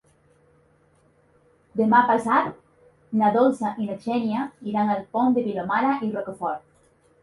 Demà passat na Dolça i na Xènia iran al Pont de Vilomara i Rocafort.